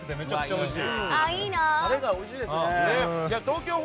おいしい！